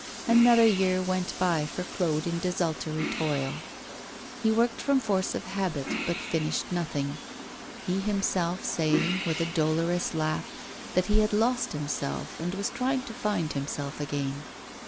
Another year went by for Claude in desultory toil. He worked from force of habit, but finished nothing; he himself saying, with a dolorous laugh, that he had lost himself, and was trying to find himself again.